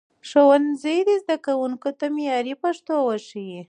ښوونکي دې زدهکوونکو ته معیاري پښتو وښيي.